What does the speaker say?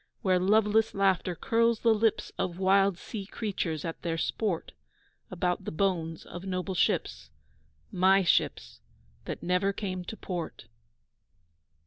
Where loveless laughter curls the lips Of wild sea creatures at their sport About the bones of noble ships, My ships, that never came to port.